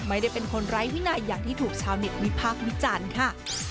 ไม่ได้เป็นคนไร้วินัยอย่างที่ถูกชาวเน็ตวิพากษ์วิจารณ์ค่ะ